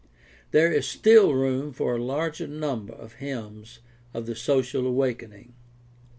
There is still room for a larger number of hymns of the social awakening.